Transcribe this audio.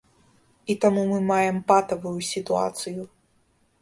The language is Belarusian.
І таму мы маем патавую сітуацыю.